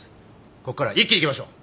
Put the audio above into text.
こっからは一気にいきましょう！